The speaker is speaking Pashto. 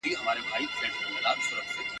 د رباب په غوږ کي وايی شهبازونه زما سندري !.